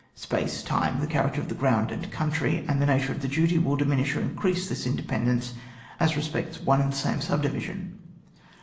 Space, time, the character of the ground and country, and nature of the duty, will diminish or increase this indepen dence as respects one and the same sub division.